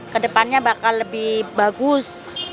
ke depannya bakal lebih bagus